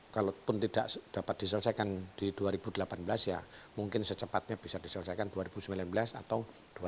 kalaupun tidak dapat diselesaikan di dua ribu delapan belas ya mungkin secepatnya bisa diselesaikan dua ribu sembilan belas atau dua ribu sembilan belas